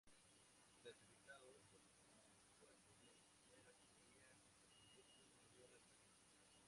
Clasificado como puerto de primera categoría, es el mayor del país.